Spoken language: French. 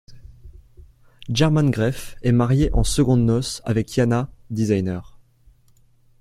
German Gref est marié en secondes noces avec Yana, designer.